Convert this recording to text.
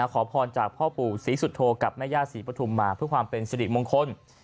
ขอพรจากพ่อปู่ศรีสุโธกับแม่ย่าศรีปฐุมมาเพื่อความเป็นสิริมงคล